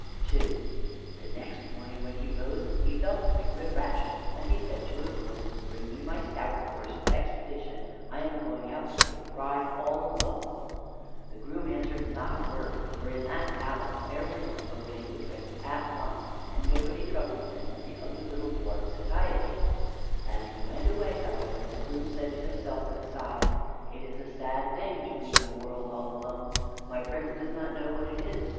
II The next morning when he rose he felt quite refreshed, and he said to a groom: "Bring me my stout horse, Expedition; I am going out to take a ride all alone." The groom answered not a word, for in that palace every one obeyed the Prince at once, and nobody troubled him but the ugly little dwarf, Satiety. As he went away, however, the groom said to himself with a sigh: "It is a sad thing to be in the wide world all alone. My Prince does not know what it is.